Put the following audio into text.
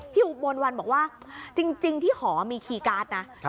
อุบลวันบอกว่าจริงที่หอมีคีย์การ์ดนะ